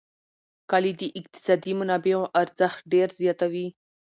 کلي د اقتصادي منابعو ارزښت ډېر زیاتوي.